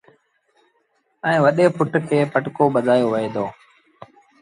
ائيٚݩ وڏي پُٽ کي پٽڪو ٻڌآيو وهي دو